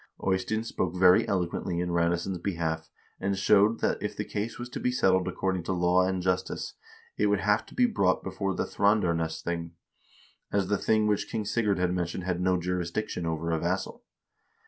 Eystein spoke very eloquently in Ranesson's behalf, and showed that if the case was to be settled according to law and justice, it would have to be brought before the Thrandarnesthing, as the thing which King Sigurd had summoned had no jurisdiction over a vassal.